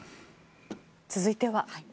続いては。